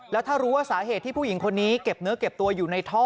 แล้วถ้ารู้ว่าสาเหตุที่ผู้หญิงคนนี้เก็บเนื้อเก็บตัวอยู่ในท่อ